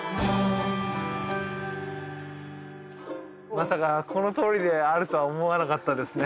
まさかこの通りであるとは思わなかったですね。